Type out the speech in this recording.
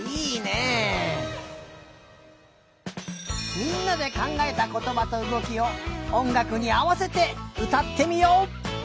みんなでかんがえたことばとうごきをおんがくにあわせてうたってみよう！